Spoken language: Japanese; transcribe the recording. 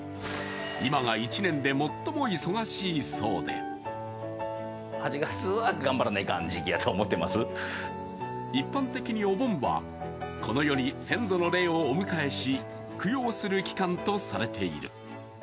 今が１年で最も忙しいそうで一般的にお盆はこの世に先祖の霊をお迎えし供養する期間とされている。